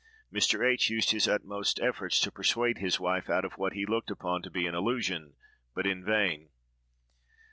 Mr. H—— used his utmost efforts to persuade his wife out of what he looked upon to be an illusion; but in vain.